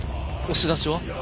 押し出しは？